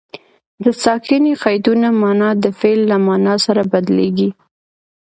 د ساکني قیدونو مانا د فعل له مانا سره بدلیږي.